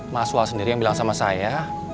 masual sendiri yang bilang sama saya